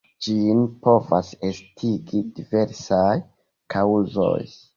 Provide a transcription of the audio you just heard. Ĝin povas estigi diversaj kaŭzoj.